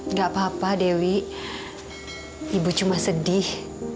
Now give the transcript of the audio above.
nggak apa apa dewi ibu cuma sedih